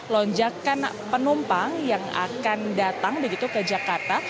lonjakan penumpang yang akan datang begitu ke jakarta